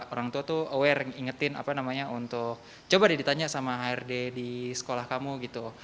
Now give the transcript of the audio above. orang tua tuh aware ngingetin apa namanya untuk coba deh ditanya sama hrd di sekolah kamu gitu